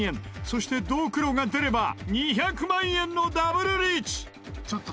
そしてドクロが出れば２００万円のダブルリーチ。